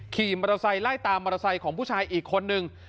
ขี่มอเตอร์ไซค์ไล่ตามมอเตอร์ไซค์ของผู้ชายอีกคนนึง